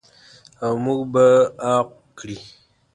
او موږ به عاق کړي.